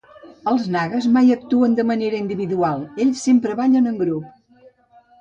Els nagas mai actuen de manera individual, ells sempre ballen en grup.